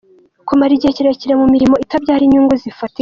Kumara igihe kirekire mu mirimo itabyara inyungu zifatika.